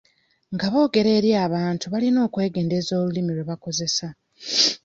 Nga boogera eri abantu, balina okwegendereza olulimi lwe bakozesa.